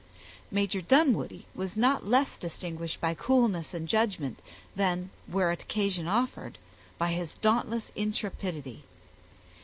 Major Dunwoodie was not less distinguished by coolness and judgment, than, where occasion offered, by his dauntless intrepidity.